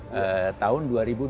pada tahun dua ribu dua puluh lima